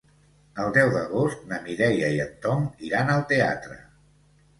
El deu d'agost na Mireia i en Tom iran al teatre.